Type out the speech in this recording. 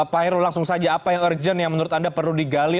pak heru langsung saja apa yang urgent yang menurut anda perlu digali